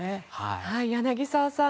柳澤さん